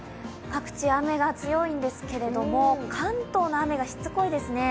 各地、雨が強いんですけど、関東の雨がしつこいですね。